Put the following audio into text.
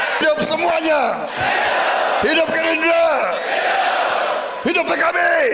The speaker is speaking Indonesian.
hidup semuanya hidup hidup kita